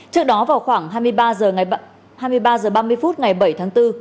trước đó vào khoảng hai mươi ba h ba mươi phút ngày bảy tháng bốn